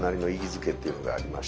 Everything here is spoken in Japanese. づけというのがありまして。